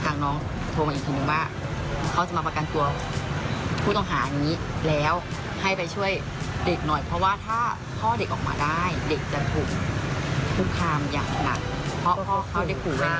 น้องโทรมาอีกทีนึงว่าเขาจะมาประกันตัวผู้ต้องหานี้แล้วให้ไปช่วยเด็กหน่อยเพราะว่าถ้าพ่อเด็กออกมาได้เด็กจะถูกคุกคามอย่างหนักเพราะพ่อเขาได้ขู่ไว้